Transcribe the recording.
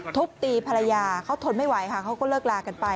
ทุบตีภรรยาเขาทนไม่ไหวค่ะเขาก็เลิกลากันไป